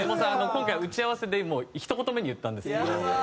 今回打ち合わせでひと言目に言ったんですけど。